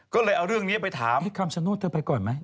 ก็เลยเอาเรื่องนี้ไปถามที่คำชโนธเธอไปก่อนไหม